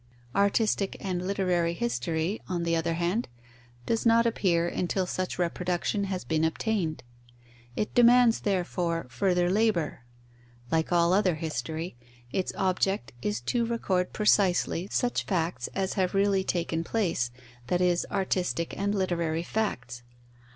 Artistic and literary history, on the other hand, does not appear until such reproduction has been obtained. It demands, therefore, further labour. Like all other history, its object is to record precisely such facts as have really taken place, that is, artistic and literary facts.